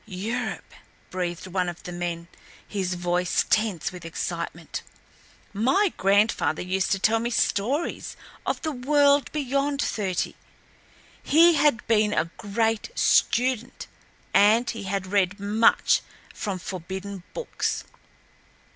"Europe," breathed one of the men, his voice tense with excitement. "My grandfather used to tell me stories of the world beyond thirty. He had been a great student, and he had read much from forbidden books."